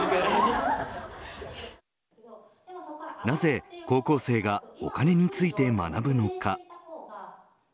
なぜ高校生がお金について学ぶのか。